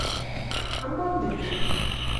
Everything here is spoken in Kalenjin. amon metit